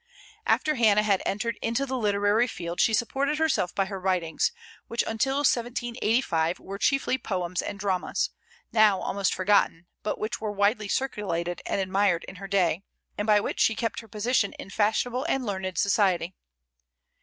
After Hannah had entered into the literary field she supported herself by her writings, which until 1785 were chiefly poems and dramas, now almost forgotten, but which were widely circulated and admired in her day, and by which she kept her position in fashionable and learned society.